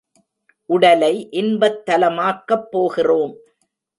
உடலை இன்பத் தலமாக்கப் போகிறோம்.